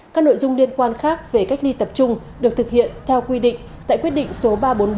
các nội dung liên quan khác về cách ly tập trung được thực hiện theo quy định tại quyết định số ba trăm bốn mươi bốn